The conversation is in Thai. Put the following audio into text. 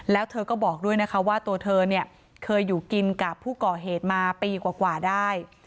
แล้วเธอก็บอกด้วยนะคะว่าตัวเธอเนี่ยเคยอยู่กินกับผู้ก่อเหตุมาปีกว่าได้